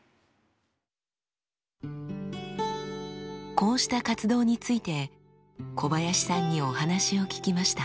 こうした活動について小林さんにお話を聞きました。